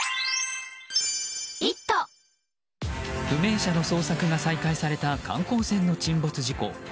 不明者の捜索が再開された観光船の沈没事故。